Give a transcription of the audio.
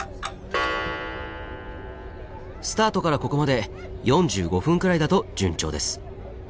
スタートからここまで４５分くらいだと順調です。